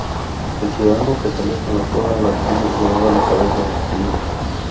El ciudadano que salía con toga a la calle llevaba la cabeza descubierta.